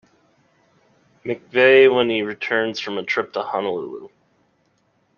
McVeigh when he returns from a trip to Honolulu.